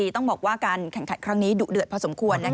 ต้องบอกว่าการแข่งขันครั้งนี้ดุเดือดพอสมควร